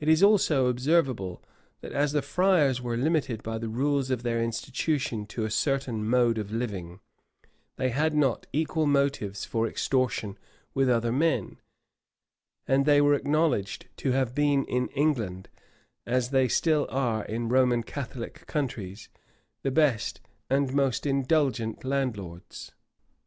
It is also observable, that as the friars were limited by the rules of their institution to a certain mode of living, they had not equal motives for extortion with other men, and they were acknowledged to have been in England, as they still are in Roman Catholic countries, the best and most indulgent landlords.